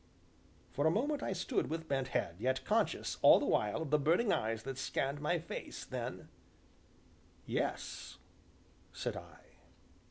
For a moment I stood with bent head, yet conscious all the while of the burning eyes that scanned my face, then: "Yes," said I.